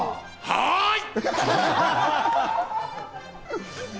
はい！